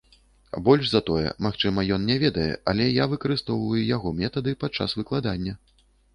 Больш за тое, магчыма, ён не ведае, але я выкарыстоўваю яго метады падчас выкладання.